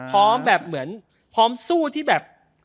พร้อมแบบเหมือนพร้อมสู้ที่แบบ